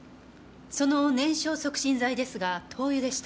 その燃焼促進剤ですが灯油でした。